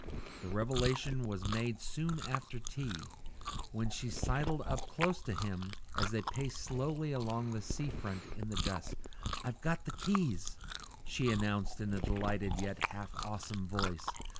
The revelation was made soon after tea, when she sidled close up to him as they paced slowly along the sea front in the dusk. "I've got the keys," she announced in a delighted, yet half awesome voice.